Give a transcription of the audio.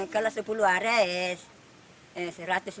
kalau sepuluh haris satu ratus lima puluh